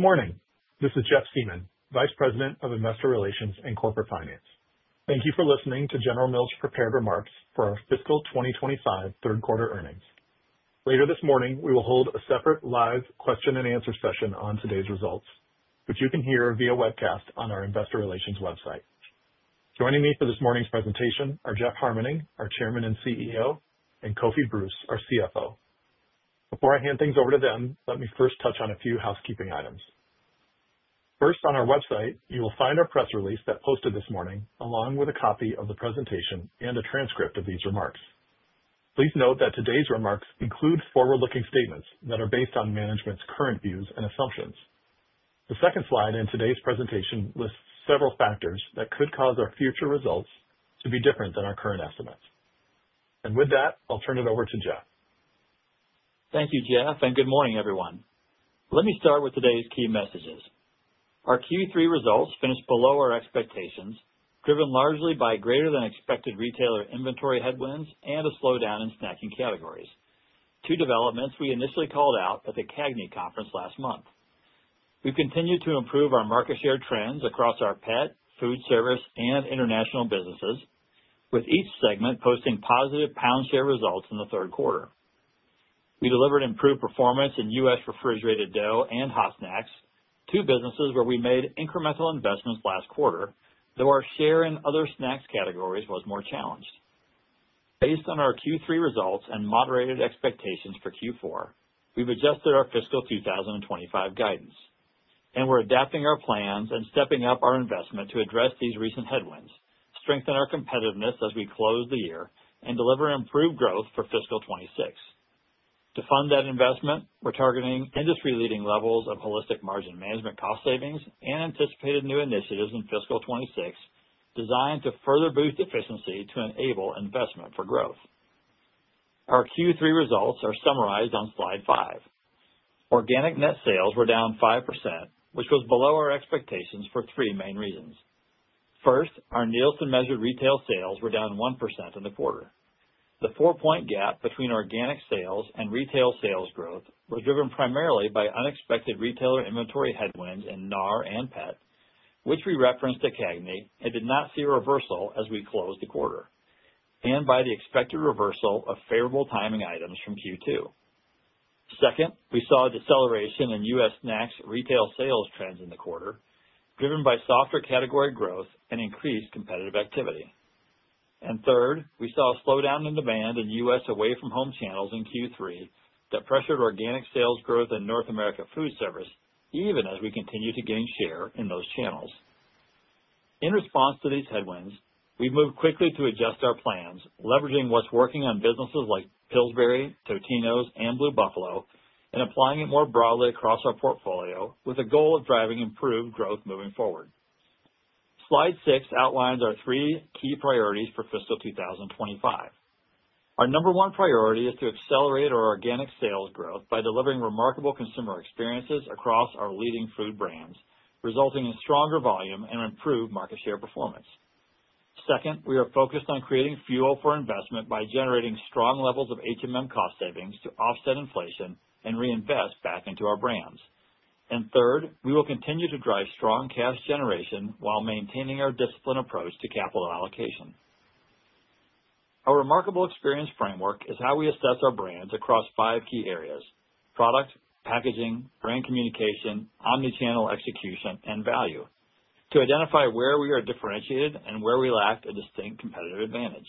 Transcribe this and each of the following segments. Good morning. This is Jeff Siemon, Vice President of Investor Relations and Corporate Finance. Thank you for listening to General Mills' prepared remarks for our fiscal 2025 third-quarter earnings. Later this morning, we will hold a separate live question-and-answer session on today's results, which you can hear via webcast on our Investor Relations website. Joining me for this morning's presentation are Jeff Harmening, our Chairman and CEO, and Kofi Bruce, our CFO. Before I hand things over to them, let me first touch on a few housekeeping items. First, on our website, you will find our press release that posted this morning, along with a copy of the presentation and a transcript of these remarks. Please note that today's remarks include forward-looking statements that are based on management's current views and assumptions. The second slide in today's presentation lists several factors that could cause our future results to be different than our current estimates, and with that, I'll turn it over to Jeff. Thank you, Jeff, and good morning, everyone. Let me start with today's key messages. Our Q3 results finished below our expectations, driven largely by greater-than-expected retailer inventory headwinds and a slowdown in snacking categories, two developments we initially called out at the CAGNY conference last month. We've continued to improve our market share trends across our Pet, Foodservice, and international businesses, with each segment posting positive pound share results in the third quarter. We delivered improved performance in U.S. refrigerated dough and hot snacks, two businesses where we made incremental investments last quarter, though our share in other snacks categories was more challenged. Based on our Q3 results and moderated expectations for Q4, we've adjusted our fiscal 2025 guidance, and we're adapting our plans and stepping up our investment to address these recent headwinds, strengthen our competitiveness as we close the year, and deliver improved growth for fiscal 26. To fund that investment, we're targeting industry-leading levels of holistic margin management cost savings and anticipated new initiatives in fiscal 2026 designed to further boost efficiency to enable investment for growth. Our Q3 results are summarized on slide five. Organic net sales were down 5%, which was below our expectations for three main reasons. First, our Nielsen-measured retail sales were down 1% in the quarter. The four-point gap between organic sales and retail sales growth was driven primarily by unexpected retailer inventory headwinds in NAR and Pet, which we referenced at CAGNY and did not see a reversal as we closed the quarter, and by the expected reversal of favorable timing items from Q2. Second, we saw a deceleration in U.S. snacks retail sales trends in the quarter, driven by softer category growth and increased competitive activity. And third, we saw a slowdown in demand in U.S. away-from-home channels in Q3 that pressured organic sales growth in North America Foodservice, even as we continue to gain share in those channels. In response to these headwinds, we've moved quickly to adjust our plans, leveraging what's working on businesses like Pillsbury, Totino's, and Blue Buffalo, and applying it more broadly across our portfolio with a goal of driving improved growth moving forward. Slide six outlines our three key priorities for fiscal 2025. Our number one priority is to accelerate our organic sales growth by delivering remarkable consumer experiences across our leading food brands, resulting in stronger volume and improved market share performance. Second, we are focused on creating fuel for investment by generating strong levels of cost savings to offset inflation and reinvest back into our brands. And third, we will continue to drive strong cash generation while maintaining our disciplined approach to capital allocation. Our remarkable experience framework is how we assess our brands across five key areas: product, packaging, brand communication, omnichannel execution, and value, to identify where we are differentiated and where we lack a distinct competitive advantage.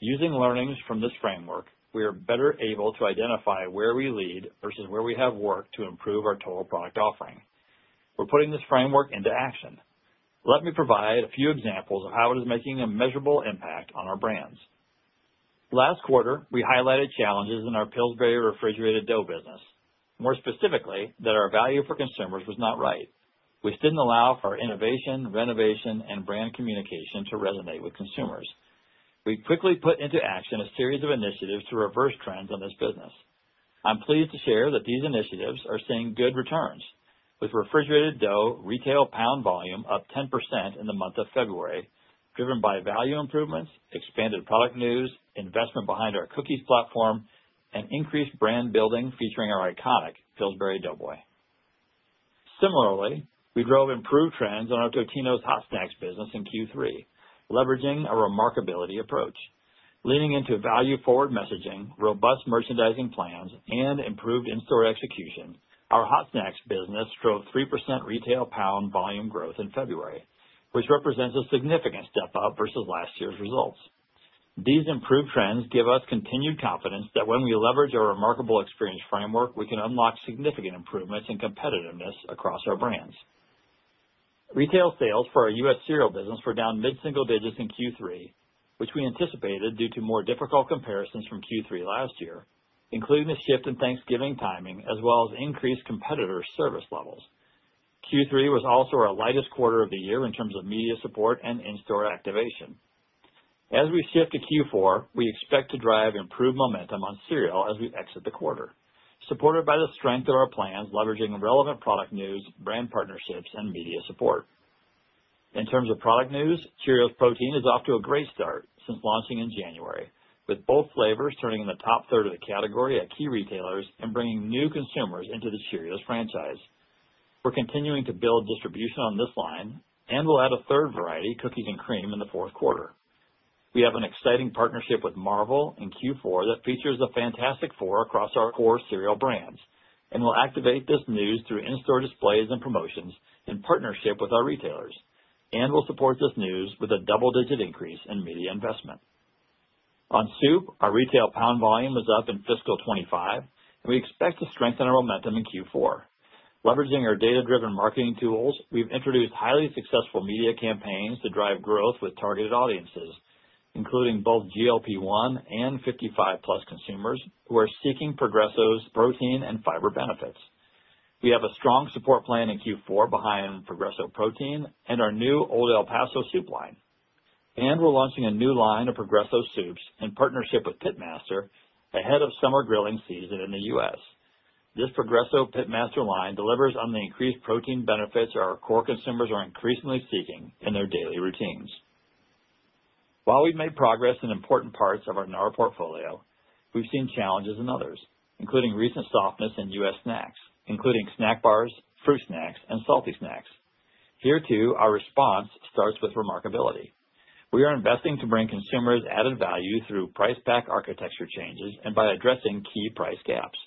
Using learnings from this framework, we are better able to identify where we lead versus where we have worked to improve our total product offering. We're putting this framework into action. Let me provide a few examples of how it is making a measurable impact on our brands. Last quarter, we highlighted challenges in our Pillsbury refrigerated dough business. More specifically, that our value for consumers was not right. We didn't allow for our innovation, renovation, and brand communication to resonate with consumers. We quickly put into action a series of initiatives to reverse trends in this business. I'm pleased to share that these initiatives are seeing good returns, with refrigerated dough retail pound volume up 10% in the month of February, driven by value improvements, expanded product news, investment behind our cookies platform, and increased brand building featuring our iconic Pillsbury Doughboy. Similarly, we drove improved trends on our Totino's hot snacks business in Q3, leveraging a remarkability approach. Leaning into value-forward messaging, robust merchandising plans, and improved in-store execution, our hot snacks business drove 3% retail pound volume growth in February, which represents a significant step up versus last year's results. These improved trends give us continued confidence that when we leverage our remarkable experience framework, we can unlock significant improvements in competitiveness across our brands. Retail sales for our U.S. Cereal business were down mid-single digits in Q3, which we anticipated due to more difficult comparisons from Q3 last year, including the shift in Thanksgiving timing as well as increased competitor service levels. Q3 was also our lightest quarter of the year in terms of media support and in-store activation. As we shift to Q4, we expect to drive improved momentum on cereal as we exit the quarter, supported by the strength of our plans leveraging relevant product news, brand partnerships, and media support. In terms of product news, Cheerios Protein is off to a great start since launching in January, with both flavors turning in the top third of the category at key retailers and bringing new consumers into the Cheerios franchise. We're continuing to build distribution on this line and will add a third variety, Cookies and Cream, in the fourth quarter. We have an exciting partnership with Marvel in Q4 that features the Fantastic Four across our core cereal brands and will activate this news through in-store displays and promotions in partnership with our retailers, and will support this news with a double-digit increase in media investment. On soup, our retail pound volume was up in fiscal 2025, and we expect to strengthen our momentum in Q4. Leveraging our data-driven marketing tools, we've introduced highly successful media campaigns to drive growth with targeted audiences, including both GLP-1 and 55-plus consumers who are seeking Progresso's protein and fiber benefits. We have a strong support plan in Q4 behind Progresso Protein and our new Old El Paso soup line. And we're launching a new line of Progresso soups in partnership with Pitmaster ahead of summer grilling season in the U.S. This Progresso Pitmaster line delivers on the increased protein benefits our core consumers are increasingly seeking in their daily routines. While we've made progress in important parts of our NAR portfolio, we've seen challenges in others, including recent softness in U.S. snacks, including snack bars, fruit snacks, and salty snacks. Here, too, our response starts with remarkability. We are investing to bring consumers added value through price-pack architecture changes and by addressing key price gaps.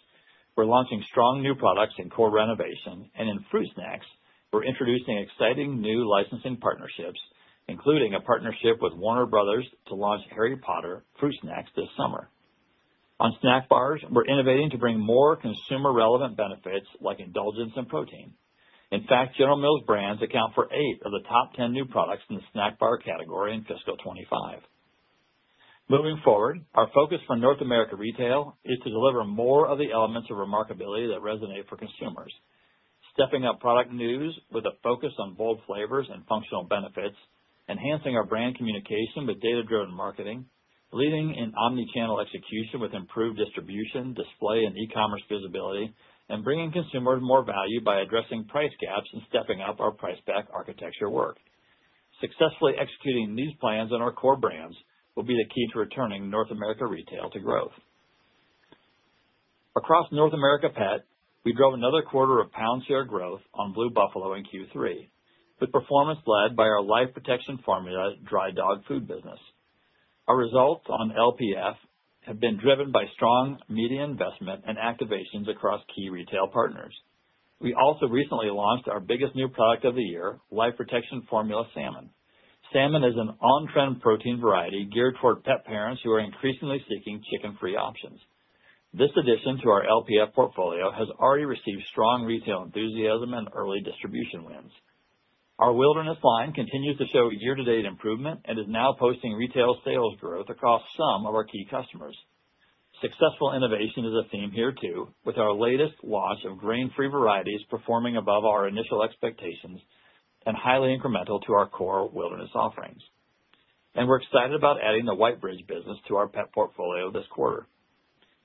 We're launching strong new products in core renovation, and in fruit snacks, we're introducing exciting new licensing partnerships, including a partnership with Warner Bros. to launch Harry Potter fruit snacks this summer. On snack bars, we're innovating to bring more consumer-relevant benefits like indulgence and protein. In fact, General Mills brands account for eight of the top 10 new products in the snack bar category in fiscal 2025. Moving forward, our focus for North America retail is to deliver more of the elements of remarkability that resonate for consumers, stepping up product news with a focus on bold flavors and functional benefits, enhancing our brand communication with data-driven marketing, leading in omnichannel execution with improved distribution, display, and e-commerce visibility, and bringing consumers more value by addressing price gaps and stepping up our price-pack architecture work. Successfully executing these plans on our core brands will be the key to returning North America retail to growth. Across North America pet, we drove another quarter of pound share growth on Blue Buffalo in Q3, with performance led by our Life Protection Formula dry dog food business. Our results on LPF have been driven by strong media investment and activations across key retail partners. We also recently launched our biggest new product of the year, Life Protection Formula Salmon. Salmon is an on-trend protein variety geared toward pet parents who are increasingly seeking chicken-free options. This addition to our LPF portfolio has already received strong retail enthusiasm and early distribution wins. Our Wilderness line continues to show year-to-date improvement and is now posting retail sales growth across some of our key customers. Successful innovation is a theme here, too, with our latest launch of grain-free varieties performing above our initial expectations and highly incremental to our core Wilderness offerings. And we're excited about adding the Whitebridge business to our pet portfolio this quarter.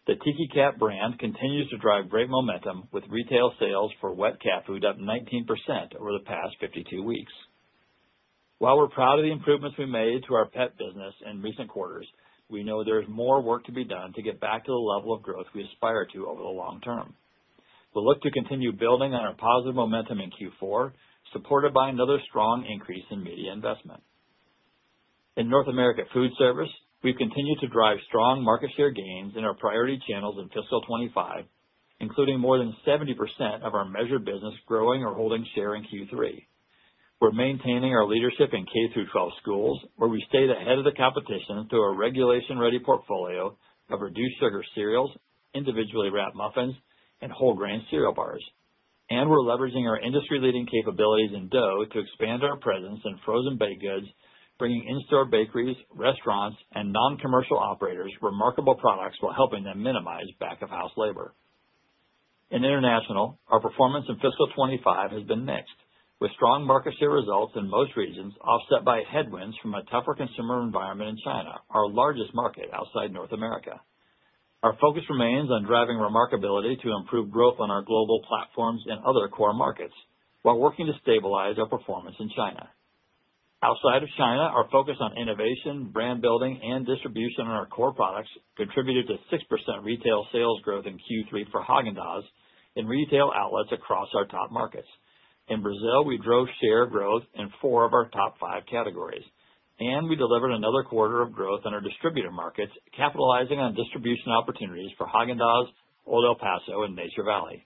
The Tiki Cat brand continues to drive great momentum with retail sales for wet cat food up 19% over the past 52 weeks. While we're proud of the improvements we made to our pet business in recent quarters, we know there is more work to be done to get back to the level of growth we aspire to over the long term. We'll look to continue building on our positive momentum in Q4, supported by another strong increase in media investment. In North America Foodservice, we've continued to drive strong market share gains in our priority channels in fiscal 2025, including more than 70% of our measured business growing or holding share in Q3. We're maintaining our leadership in K-12 schools, where we stayed ahead of the competition through a regulation-ready portfolio of reduced sugar cereals, individually wrapped muffins, and whole grain cereal bars. We're leveraging our industry-leading capabilities in dough to expand our presence in frozen baked goods, bringing in-store bakeries, restaurants, and non-commercial operators remarkable products while helping them minimize back-of-house labor. In International, our performance in fiscal 2025 has been mixed, with strong market share results in most regions offset by headwinds from a tougher consumer environment in China, our largest market outside North America. Our focus remains on driving remarkability to improve growth on our global platforms and other core markets while working to stabilize our performance in China. Outside of China, our focus on innovation, brand building, and distribution on our core products contributed to 6% retail sales growth in Q3 for Häagen-Dazs in retail outlets across our top markets. In Brazil, we drove share growth in four of our top five categories, and we delivered another quarter of growth in our distributor markets, capitalizing on distribution opportunities for Häagen-Dazs, Old El Paso, and Nature Valley.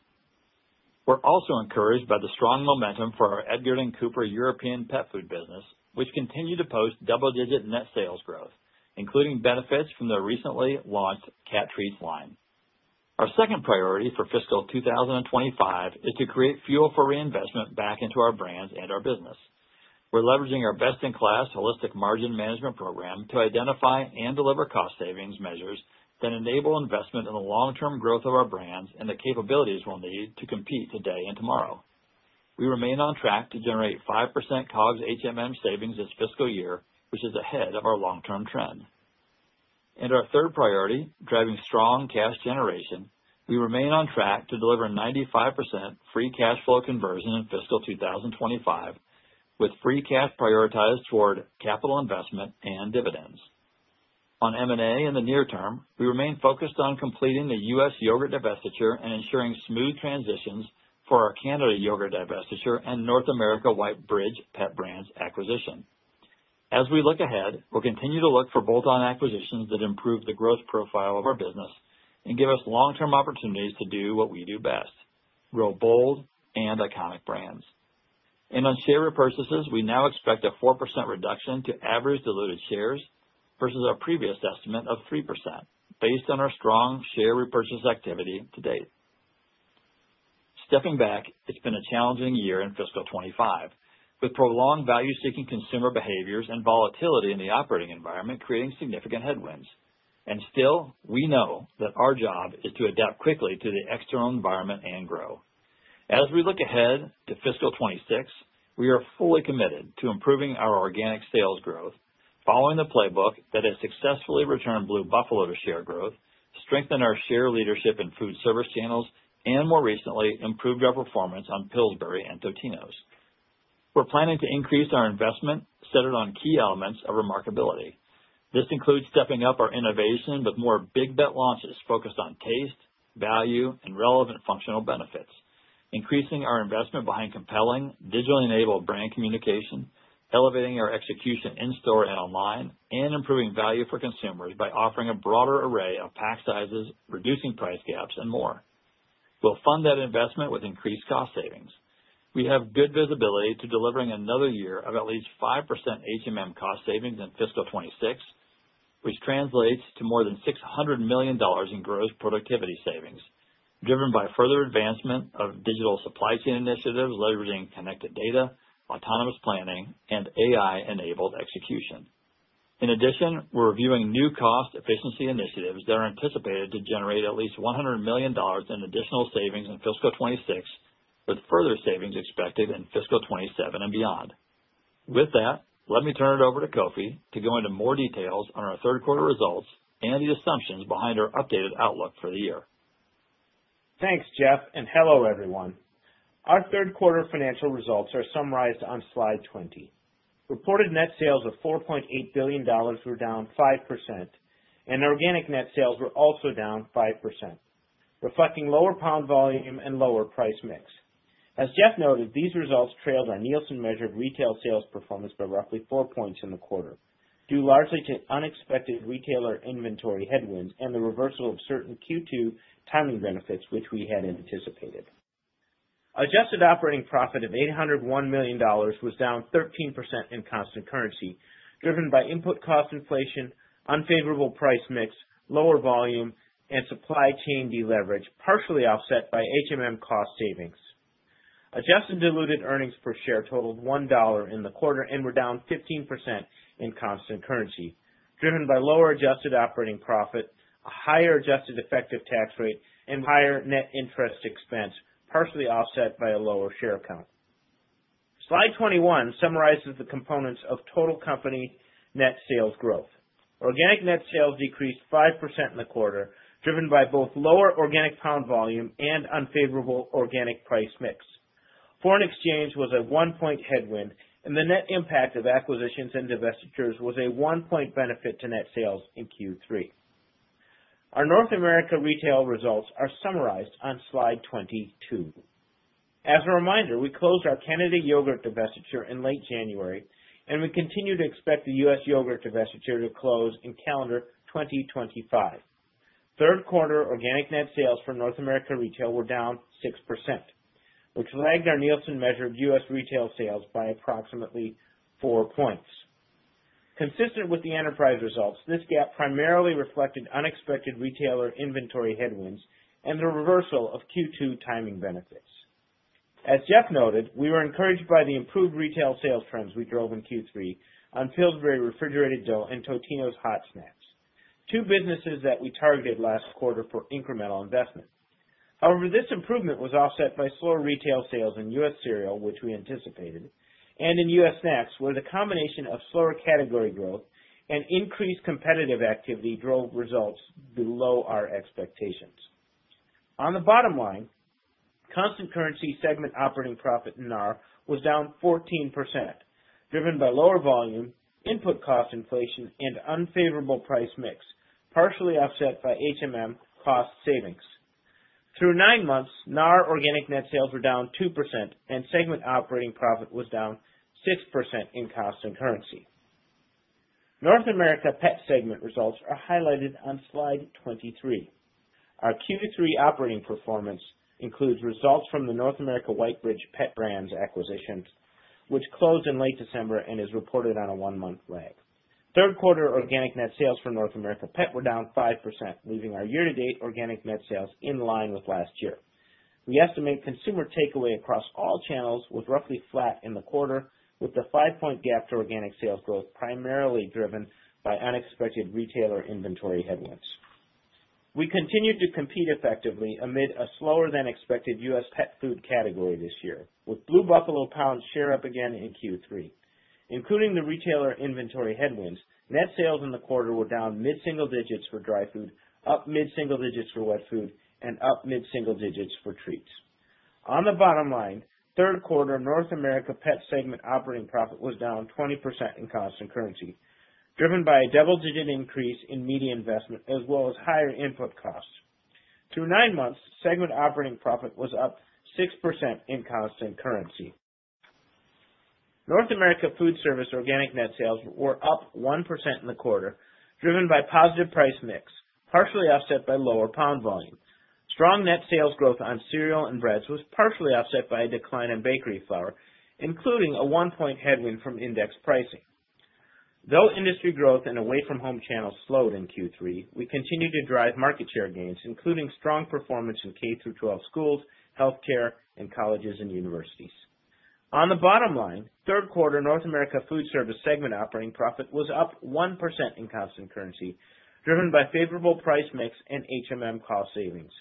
We're also encouraged by the strong momentum for our Edgard & Cooper European pet food business, which continued to post double-digit net sales growth, including benefits from the recently launched cat treats line. Our second priority for fiscal 2025 is to create fuel for reinvestment back into our brands and our business. We're leveraging our best-in-class Holistic Margin Management program to identify and deliver cost savings measures that enable investment in the long-term growth of our brands and the capabilities we'll need to compete today and tomorrow. We remain on track to generate 5% COGS savings this fiscal year, which is ahead of our long-term trend. Our third priority, driving strong cash generation, we remain on track to deliver 95% free cash flow conversion in fiscal 2025, with free cash prioritized toward capital investment and dividends. On M&A in the near term, we remain focused on completing the U.S. yogurt divestiture and ensuring smooth transitions for our Canada yogurt divestiture and North America Whitebridge Pet Brands acquisition. As we look ahead, we'll continue to look for bolt-on acquisitions that improve the growth profile of our business and give us long-term opportunities to do what we do best: grow bold and iconic brands. And on share repurchases, we now expect a 4% reduction to average diluted shares versus our previous estimate of 3%, based on our strong share repurchase activity to date. Stepping back, it's been a challenging year in fiscal 2025, with prolonged value-seeking consumer behaviors and volatility in the operating environment creating significant headwinds, and still, we know that our job is to adapt quickly to the external environment and grow. As we look ahead to fiscal 2026, we are fully committed to improving our organic sales growth, following the playbook that has successfully returned Blue Buffalo to share growth, strengthened our share leadership in Foodservice channels, and more recently, improved our performance on Pillsbury and Totino's. We're planning to increase our investment centered on key elements of remarkability. This includes stepping up our innovation with more big bet launches focused on taste, value, and relevant functional benefits, increasing our investment behind compelling, digitally-enabled brand communication, elevating our execution in-store and online, and improving value for consumers by offering a broader array of pack sizes, reducing price gaps, and more. We'll fund that investment with increased cost savings. We have good visibility to delivering another year of at least 5% cost savings in fiscal 2026, which translates to more than $600 million in gross productivity savings, driven by further advancement of digital supply chain initiatives leveraging connected data, autonomous planning, and AI-enabled execution. In addition, we're reviewing new cost efficiency initiatives that are anticipated to generate at least $100 million in additional savings in fiscal 2026, with further savings expected in fiscal 2027 and beyond. With that, let me turn it over to Kofi to go into more details on our third quarter results and the assumptions behind our updated outlook for the year. Thanks, Jeff, and hello, everyone. Our third quarter financial results are summarized on slide 20. Reported net sales of $4.8 billion were down 5%, and organic net sales were also down 5%, reflecting lower pound volume and lower price mix. As Jeff noted, these results trailed our Nielsen-measured retail sales performance by roughly four points in the quarter, due largely to unexpected retailer inventory headwinds and the reversal of certain Q2 timing benefits, which we had anticipated. Adjusted operating profit of $801 million was down 13% in constant currency, driven by input cost inflation, unfavorable price mix, lower volume, and supply chain deleverage, partially offset by cost savings. Adjusted diluted earnings per share totaled $1 in the quarter and were down 15% in constant currency, driven by lower adjusted operating profit, a higher adjusted effective tax rate, and higher net interest expense, partially offset by a lower share count. Slide 21 summarizes the components of total company net sales growth. Organic net sales decreased 5% in the quarter, driven by both lower organic pound volume and unfavorable organic price mix. Foreign exchange was a one-point headwind, and the net impact of acquisitions and divestitures was a one-point benefit to net sales in Q3. Our North America retail results are summarized on Slide 22. As a reminder, we closed our Canada yogurt divestiture in late January, and we continue to expect the U.S. yogurt divestiture to close in calendar 2025. Third quarter organic net sales for North America retail were down 6%, which lagged our Nielsen-measured U.S. retail sales by approximately four points. Consistent with the enterprise results, this gap primarily reflected unexpected retailer inventory headwinds and the reversal of Q2 timing benefits. As Jeff noted, we were encouraged by the improved retail sales trends we drove in Q3 on Pillsbury refrigerated dough and Totino's hot snacks, two businesses that we targeted last quarter for incremental investment. However, this improvement was offset by slow retail sales in U.S. cereal, which we anticipated, and in U.S. snacks, where the combination of slower category growth and increased competitive activity drove results below our expectations. On the bottom line, constant currency segment operating profit in NAR was down 14%, driven by lower volume, input cost inflation, and unfavorable price mix, partially offset by cost savings. Through nine months, NAR organic net sales were down 2%, and segment operating profit was down 6% in constant currency. North America pet segment results are highlighted on slide 23. Our Q3 operating performance includes results from the North America Whitebridge Pet Brands acquisitions, which closed in late December and is reported on a one-month lag. Third quarter organic net sales for North America pet were down 5%, leaving our year-to-date organic net sales in line with last year. We estimate consumer takeaway across all channels was roughly flat in the quarter, with the five-point gap to organic sales growth primarily driven by unexpected retailer inventory headwinds. We continued to compete effectively amid a slower-than-expected U.S. pet food category this year, with Blue Buffalo pound share up again in Q3. Including the retailer inventory headwinds, net sales in the quarter were down mid-single digits for dry food, up mid-single digits for wet food, and up mid-single digits for treats. On the bottom line, third quarter North America pet segment operating profit was down 20% in constant currency, driven by a double-digit increase in media investment as well as higher input costs. Through nine months, segment operating profit was up 6% in constant currency. North America Foodservice organic net sales were up 1% in the quarter, driven by positive price mix, partially offset by lower pound volume. Strong net sales growth on cereal and breads was partially offset by a decline in bakery flour, including a one-point headwind from index pricing. Though industry growth and away-from-home channels slowed in Q3, we continued to drive market share gains, including strong performance in K-12 schools, healthcare, and colleges and universities. On the bottom line, third quarter North America Foodservice segment operating profit was up 1% in constant currency, driven by favorable price mix and cost savings,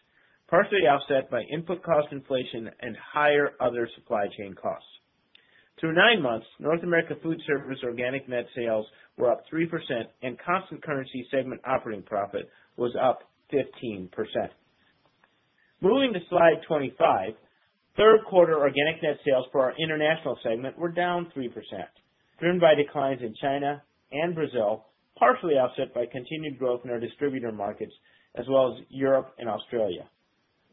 partially offset by input cost inflation and higher other supply chain costs. Through nine months, North America Foodservice organic net sales were up 3%, and constant currency segment operating profit was up 15%. Moving to slide 25, third quarter organic net sales for our international segment were down 3%, driven by declines in China and Brazil, partially offset by continued growth in our distributor markets as well as Europe and Australia.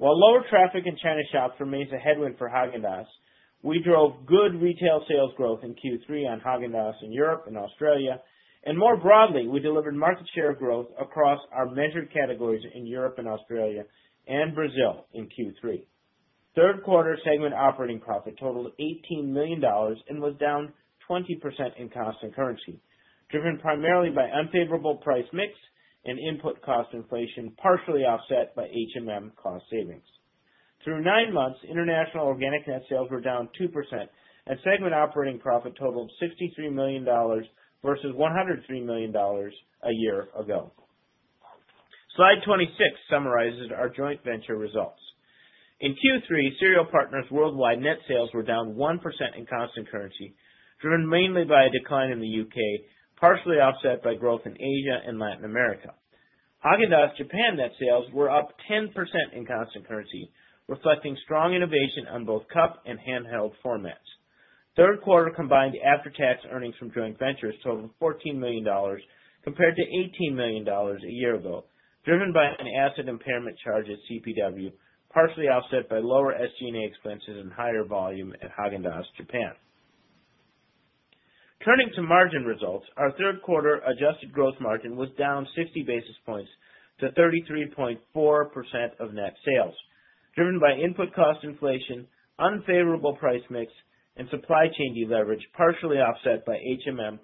While lower traffic in China shops remains a headwind for Häagen-Dazs, we drove good retail sales growth in Q3 on Häagen-Dazs in Europe and Australia, and more broadly, we delivered market share growth across our measured categories in Europe and Australia and Brazil in Q3. Third quarter segment operating profit totaled $18 million and was down 20% in constant currency, driven primarily by unfavorable price mix and input cost inflation, partially offset by cost savings. Through nine months, international organic net sales were down 2%, and segment operating profit totaled $63 million versus $103 million a year ago. Slide 26 summarizes our joint venture results. In Q3, Cereal Partners Worldwide net sales were down 1% in constant currency, driven mainly by a decline in the U.K., partially offset by growth in Asia and Latin America. Häagen-Dazs Japan net sales were up 10% in constant currency, reflecting strong innovation on both cup and handheld formats. Third quarter combined after-tax earnings from joint ventures totaled $14 million compared to $18 million a year ago, driven by an asset impairment charge at CPW, partially offset by lower SG&A expenses and higher volume at Häagen-Dazs Japan. Turning to margin results, our third quarter adjusted gross margin was down 60 basis points to 33.4% of net sales, driven by input cost inflation, unfavorable price mix, and supply chain deleverage, partially offset by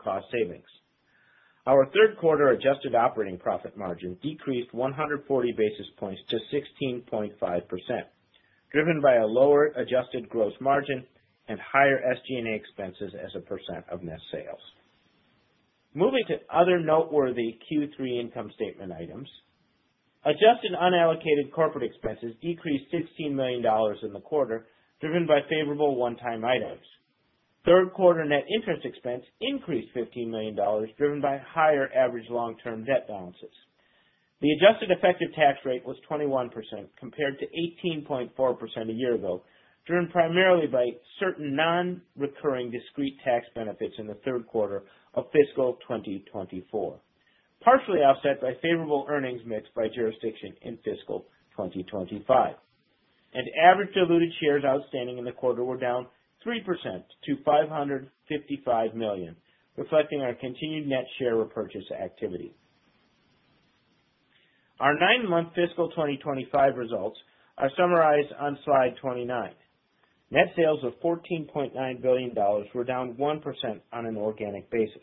cost savings. Our third quarter adjusted operating profit margin decreased 140 basis points to 16.5%, driven by a lower adjusted gross margin and higher SG&A expenses as a percent of net sales. Moving to other noteworthy Q3 income statement items, adjusted unallocated corporate expenses decreased $16 million in the quarter, driven by favorable one-time items. Third quarter net interest expense increased $15 million, driven by higher average long-term debt balances. The adjusted effective tax rate was 21% compared to 18.4% a year ago, driven primarily by certain non-recurring discrete tax benefits in the third quarter of fiscal 2024, partially offset by favorable earnings mix by jurisdiction in fiscal 2025. Average diluted shares outstanding in the quarter were down 3% to 555 million, reflecting our continued net share repurchase activity. Our nine-month fiscal 2025 results are summarized on slide 29. Net sales of $14.9 billion were down 1% on an organic basis.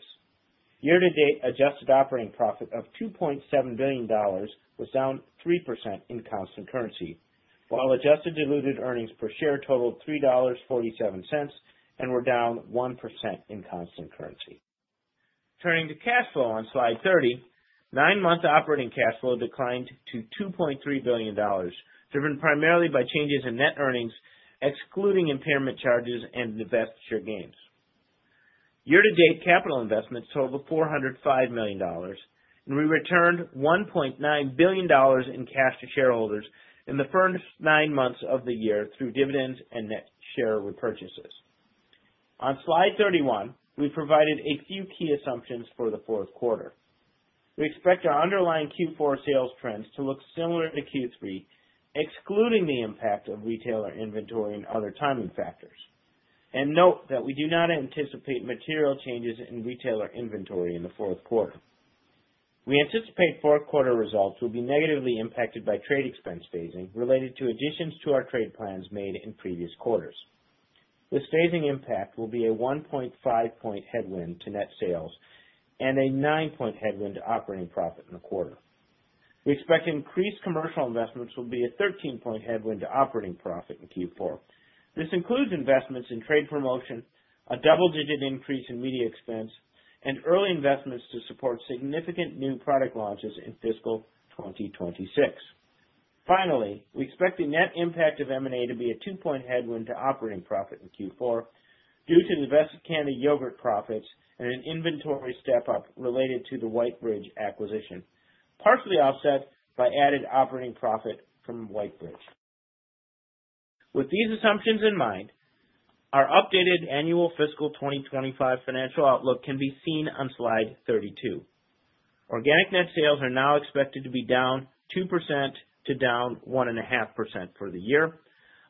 Year-to-date adjusted operating profit of $2.7 billion was down 3% in constant currency, while adjusted diluted earnings per share totaled $3.47 and were down 1% in constant currency. Turning to cash flow on slide 30, nine-month operating cash flow declined to $2.3 billion, driven primarily by changes in net earnings, excluding impairment charges and divestiture gains. Year-to-date capital investments totaled $405 million, and we returned $1.9 billion in cash to shareholders in the first nine months of the year through dividends and net share repurchases. On slide 31, we provided a few key assumptions for the fourth quarter. We expect our underlying Q4 sales trends to look similar to Q3, excluding the impact of retailer inventory and other timing factors, and note that we do not anticipate material changes in retailer inventory in the fourth quarter. We anticipate fourth quarter results will be negatively impacted by trade expense phasing related to additions to our trade plans made in previous quarters. This phasing impact will be a 1.5-point headwind to net sales and a 9-point headwind to operating profit in the quarter. We expect increased commercial investments will be a 13-point headwind to operating profit in Q4. This includes investments in trade promotion, a double-digit increase in media expense, and early investments to support significant new product launches in fiscal 2026. Finally, we expect the net impact of M&A to be a 2-point headwind to operating profit in Q4 due to the lost yogurt profits and an inventory step-up related to the Whitebridge acquisition, partially offset by added operating profit from Whitebridge. With these assumptions in mind, our updated annual fiscal 2025 financial outlook can be seen on slide 32. Organic net sales are now expected to be down 2% to down 1.5% for the year.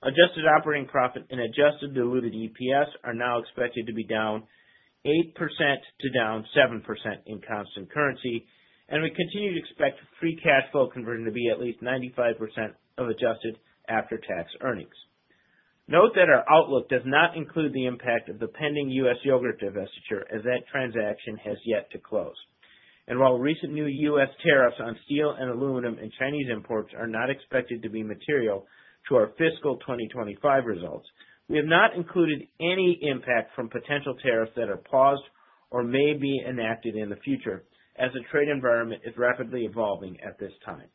Adjusted operating profit and adjusted diluted EPS are now expected to be down 8% to down 7% in constant currency, and we continue to expect free cash flow conversion to be at least 95% of adjusted after-tax earnings. Note that our outlook does not include the impact of the pending U.S. yogurt divestiture, as that transaction has yet to close. And while recent new U.S. Tariffs on steel and aluminum and Chinese imports are not expected to be material to our fiscal 2025 results. We have not included any impact from potential tariffs that are paused or may be enacted in the future, as the trade environment is rapidly evolving at this time.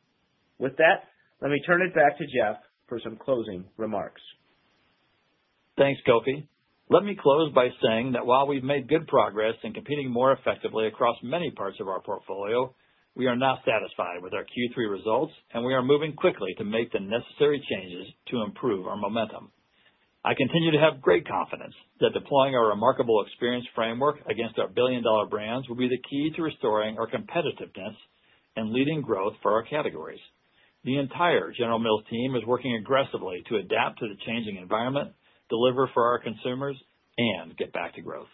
With that, let me turn it back to Jeff for some closing remarks. Thanks, Kofi. Let me close by saying that while we've made good progress in competing more effectively across many parts of our portfolio, we are not satisfied with our Q3 results, and we are moving quickly to make the necessary changes to improve our momentum. I continue to have great confidence that deploying our remarkable experience framework against our billion-dollar brands will be the key to restoring our competitiveness and leading growth for our categories. The entire General Mills team is working aggressively to adapt to the changing environment, deliver for our consumers, and get back to growth.